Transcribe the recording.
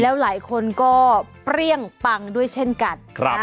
แล้วหลายคนก็เปรี้ยงปังด้วยเช่นกัน